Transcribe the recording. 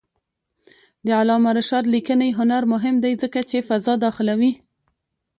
د علامه رشاد لیکنی هنر مهم دی ځکه چې فضا داخلوي.